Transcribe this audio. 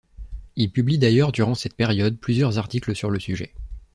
Il publie d’ailleurs durant cette période plusieurs articles sur le sujet.